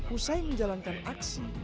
usai menjalankan aksi